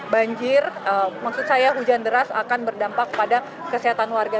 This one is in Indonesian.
banjir maksud saya hujan deras akan berdampak pada kesehatan warga